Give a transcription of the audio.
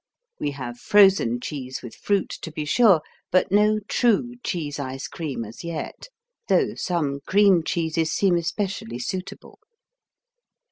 We have frozen cheese with fruit, to be sure, but no true cheese ice cream as yet, though some cream cheeses seem especially suitable.